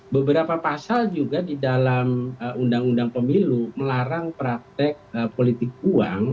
beberapa pasal juga di dalam undang undang pemilu melarang praktek politik uang